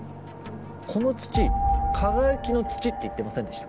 この土「かがやきの土」って言ってませんでした？